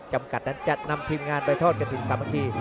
จำกัดนั้นจะนำทีมงานไปทอดกันถึงสามัคคี